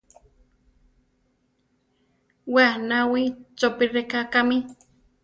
We aʼnawí, chópi rʼeká kámi.